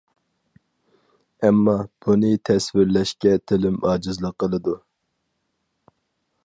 ئەمما، بۇنى تەسۋىرلەشكە تىلىم ئاجىزلىق قىلىدۇ.